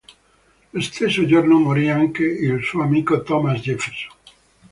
Lo stesso giorno morì anche il suo amico Thomas Jefferson.